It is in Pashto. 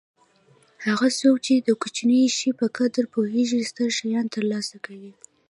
هغه څوک چې د کوچني شي په قدر پوهېږي ستر شیان ترلاسه کوي.